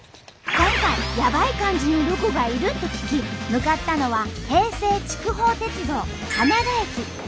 今回ヤバい感じのロコがいると聞き向かったのは平成筑豊鉄道金田駅。